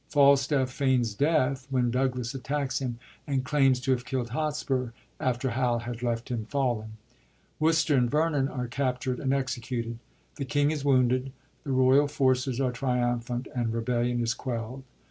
Falstaff feigns death when Douglas attacks him, and claims to have killd Hotspur, after Hal had left him fallen. Worcester and Vernon are captured and exe cuted. The king is wounded. The royal forces are triumphant, and rebellion is quelld.